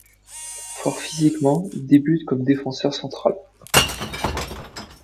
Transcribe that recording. Fort physiquement, il débute comme défenseur central.